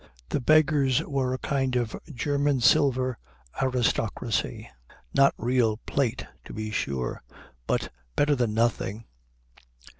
The beggars were a kind of German silver aristocracy; not real plate, to be sure, but better than nothing.